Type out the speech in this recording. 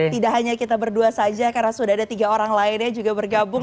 tidak hanya kita berdua saja karena sudah ada tiga orang lainnya juga bergabung